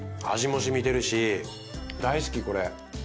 味も染みてるし大好きこれ。